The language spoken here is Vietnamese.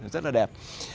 rất là đẹp